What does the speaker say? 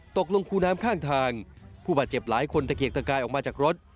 ตกลงคูน้ำข้างทางผู้บาดเจ็บหลายคนตะเกียกตะกายออกมาจากรถ